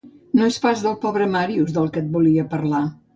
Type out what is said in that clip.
No és pas del pobre Màrius del que et volia parlar.